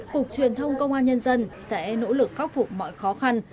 cục truyền thông công an nhân dân sẽ nỗ lực khắc phục mọi khó khăn